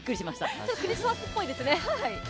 ちょっとクリスマスっぽいですね。